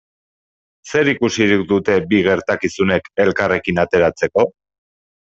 Zer ikusirik dute bi gertakizunek elkarrekin ateratzeko?